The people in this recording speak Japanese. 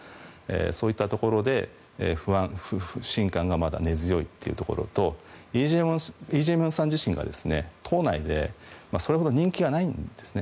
そういったところで不信感がまだ根強いというところとイ・ジェミョンさん自身が党内でそれほど人気がないんですね。